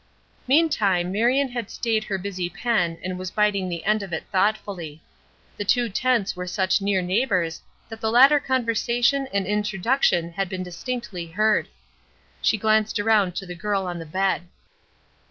Meantime Marion had staid her busy pen and was biting the end of it thoughtfully. The two tents were such near neighbors that the latter conversation and introduction had been distinctly heard. She glanced around to the girl on the bed.